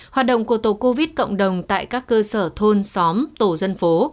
hoạt động của tổ covid cộng đồng tại các cơ sở thôn xóm tổ dân phố